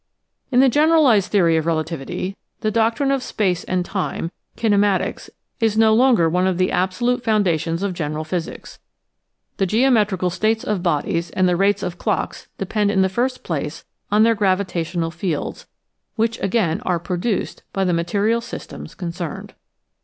In the generalized theory of relativity, the doctrine of space and time, kinematics, is no longer one of the abso lute foundations of general physics. The geometrical states of bodies and the rates of clocks depend in the 114 EASY LESSONS IN EINSTEIN first place on their gravitational fields, which again are produced by the material systems concerned.